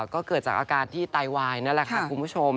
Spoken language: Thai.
ก็เกิดจากอาการที่ไตวายนั่นแหละค่ะคุณผู้ชม